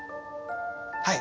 はい。